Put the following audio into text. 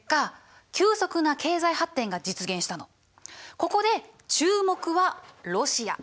ここで注目はロシア。